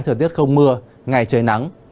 thời tiết không mưa ngày trời nắng